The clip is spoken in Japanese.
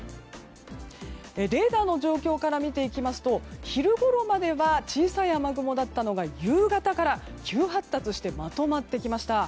レーダーの状況から見ていきますと昼ごろまでは小さい雨雲だったのが夕方から急発達してまとまってきました。